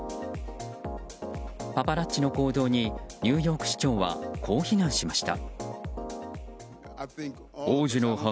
パパラッチの行動にニューヨーク市長はこう非難しました。